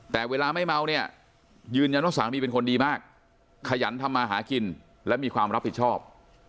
แต่เวลาไม่เมาเนี่ยยืนยันว่าสามีเป็นคนดีมากขยันทำมาหากินและมีความรับผิดชอบ